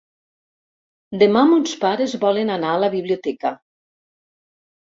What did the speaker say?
Demà mons pares volen anar a la biblioteca.